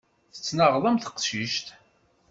Tettnaɣeḍ am teqcict.